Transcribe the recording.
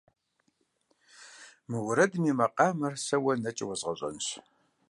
Мы уэрэдым и макъамэр сэ уэ нэкӏэ уэзгъэщӏэнщ.